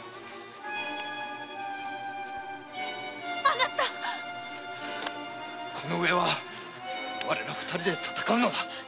あなたこの上は我ら二人で戦うのだ。